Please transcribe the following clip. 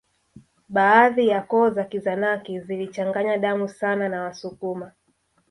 Baadhi ya koo za Kizanaki zilichanganya damu sana na Wasukuma